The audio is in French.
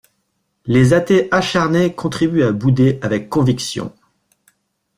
Les athées acharnés contribuent à bouder avec conviction.